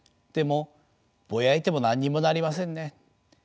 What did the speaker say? でもぼやいても何にもなりませんね。